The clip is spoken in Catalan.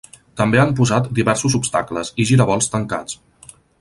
També han posat diversos obstacles, i giravolts tancats.